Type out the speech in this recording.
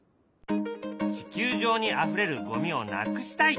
地球上にあふれるゴミをなくしたい。